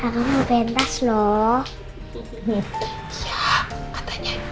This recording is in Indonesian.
udah ya langsung pentas kakak ya